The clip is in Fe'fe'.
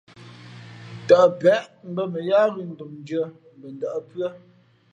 Tαʼ peʼe mbᾱ mα yáá ghʉ̌ ndómndʉ̄ᾱ mbα ndα̌ʼ pʉ́ά.